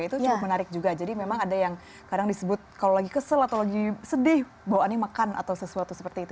itu cukup menarik juga jadi memang ada yang kadang disebut kalau lagi kesel atau lagi sedih bawaannya makan atau sesuatu seperti itu